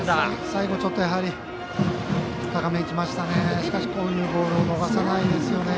最後、高めにきましたね。